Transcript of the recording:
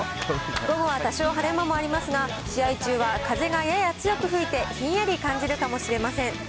午後は多少晴れ間もありますが、試合中は風がやや強く吹いて、ひんやり感じるかもしれません。